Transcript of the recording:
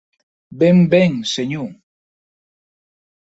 Ben, ben, senhor!